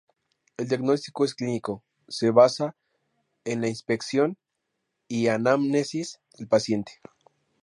El diagnóstico es clínico, se basa en la inspección y anamnesis del paciente.